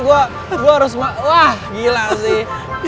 gue harus wah gila sih